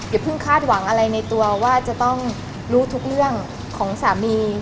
อย่าเพิ่งคาดหวังอะไรในตัวว่าจะต้องรู้ทุกเรื่องของสามี